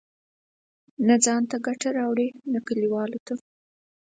نه ځان ته ګټه راوړي، نه کلیوالو ته.